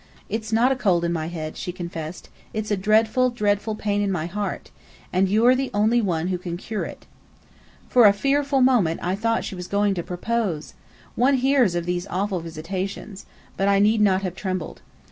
"It's not a cold in my head," she confessed. "It's a dreadful, dreadful pain in my heart. And you're the only one who can cure it." For a fearful moment I thought that she was going to propose. One hears of these awful visitations. But I need not have trembled.